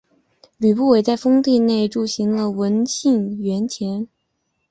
吕不韦在封地内铸行了文信圜钱。